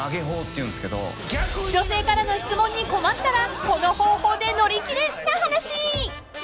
［女性からの質問に困ったらこの方法で乗り切れ！な話］